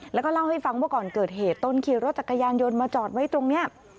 แล้วก็เล่าให้ฟังว่าก่อนเกิดเหตุตนขี่รถจักรยานยนต์มาจอดไว้ตรงนี้